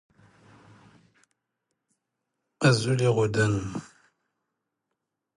ⵔⴰⴷ ⵜⵎⵙⴰⵡⴰⵍ ⵊⵓⴷⵉ ⵅⴼ ⵊⵊⴰⴱⴱⵓⵏ ⴰⵣⴽⴽⴰ.